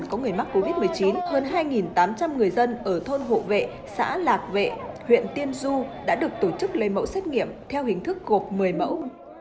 covid một mươi chín hơn hai tám trăm linh người dân ở thôn hộ vệ xã lạc vệ huyện tiên du đã được tổ chức lây mẫu xét nghiệm theo hình thức gộp một mươi mẫu